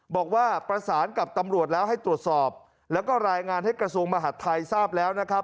บอกว่าประสานกับตำรวจแล้วให้ตรวจสอบแล้วก็รายงานให้กระทรวงมหาดไทยทราบแล้วนะครับ